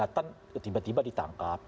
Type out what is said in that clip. mereka kan tiba tiba ditangkap